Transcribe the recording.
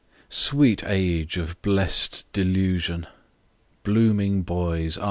SWEET age of bless'd delusion! blooming boys, Ah!